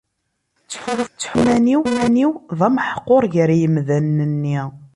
Ttḥulfuɣ iman-iw d ameḥqur gar yemdanen-nni.